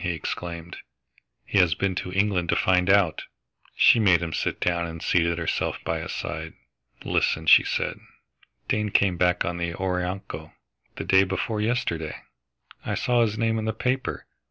he exclaimed. "He has been to England to find out!" She made him sit down and seated herself by his side. "Listen," she said, "Dane came back on the Orinoco, the day before yesterday. I saw his name in the paper.